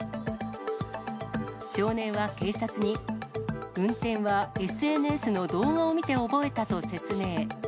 少年は警察に、運転はＳＮＳの動画を見て覚えたと説明。